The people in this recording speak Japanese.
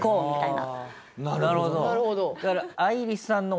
なるほど。